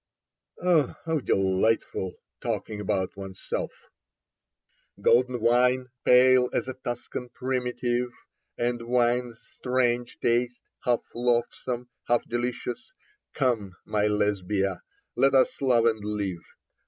..." Oh, how delightful, talking about oneself ! Golden wine, pale as a Tuscan primitive, And wine's strange taste, half loathsome, half delicious : Come, my Lesbia, let us love and live.